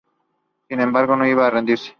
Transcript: Sin embargo, no iban a rendirse.